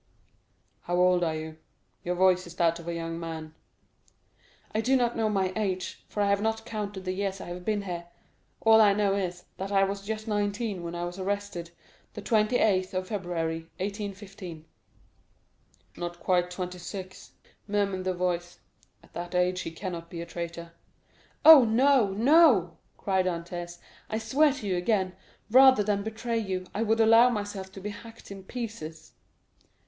"How old are you? Your voice is that of a young man." "I do not know my age, for I have not counted the years I have been here. All I do know is, that I was just nineteen when I was arrested, the 28th of February, 1815." "Not quite twenty six!" murmured the voice; "at that age he cannot be a traitor." "Oh, no, no," cried Dantès. "I swear to you again, rather than betray you, I would allow myself to be hacked in pieces!"